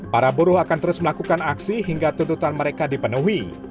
para buruh akan terus melakukan aksi hingga tuntutan mereka dipenuhi